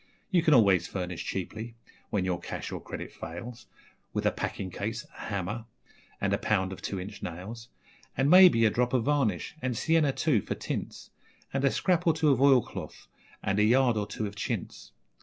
(You can always furnish cheaply, when your cash or credit fails, With a packing case, a hammer, and a pound of two inch nails And, maybe, a drop of varnish and sienna, too, for tints, And a scrap or two of oilcloth, and a yard or two of chintz).